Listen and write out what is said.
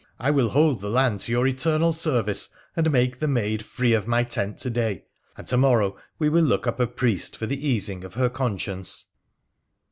I will hold the land to your eternal service, and make the maid free of my tent to day, and to morrow we will look up a priest for the easing of her conscience.'